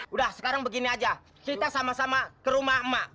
udah sekarang begini aja kita sama sama ke rumah emak emak